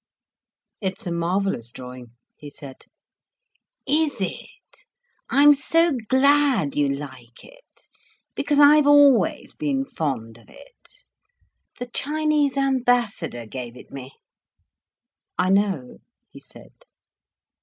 "It's a marvellous drawing," he said. "Is it? I'm so glad you like it, because I've always been fond of it. The Chinese Ambassador gave it me." "I know," he said.